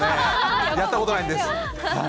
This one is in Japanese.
やったことないです。